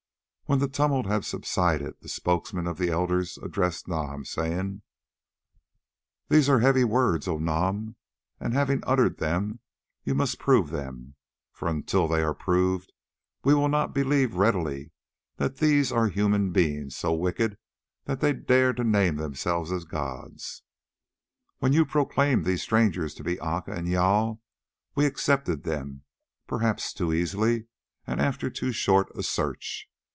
When the tumult had subsided, the spokesman of the elders addressed Nam, saying: "These are heavy words, O Nam, and having uttered them you must prove them, for until they are proved we will not believe readily that there are human beings so wicked that they dare to name themselves as gods. When you proclaimed these strangers to be Aca and Jâl, we accepted them, perhaps too easily and after too short a search.